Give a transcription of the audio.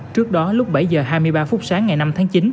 trước đó lúc bảy h hai mươi ba phút sáng ngày năm tháng chín